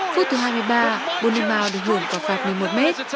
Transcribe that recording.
phút thứ hai mươi ba bonnemao được hưởng vào phạt một mươi một mét